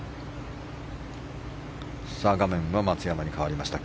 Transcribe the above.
画面が松山に変わりました。